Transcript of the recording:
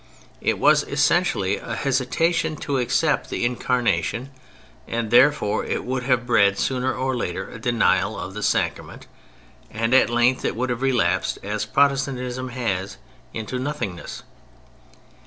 It was essentially a hesitation to accept the Incarnation and therefore it would have bred sooner or later a denial of the Sacrament, and at length it would have relapsed, as Protestantism has, into nothingness.